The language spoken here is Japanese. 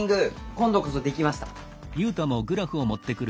今度こそ出来ました！